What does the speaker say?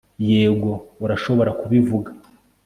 yego, urashobora kubivuga